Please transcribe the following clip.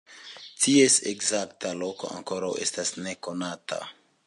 Ties ekzakta loko ankoraŭ estas nekonata.